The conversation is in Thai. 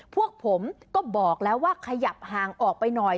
พวกผมก็บอกแล้วว่าขยับห่างออกไปหน่อย